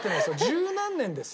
十何年ですよ。